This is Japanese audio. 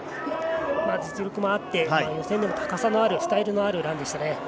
実力もあって予選でも高さのあるスタイルのあるランでしたね。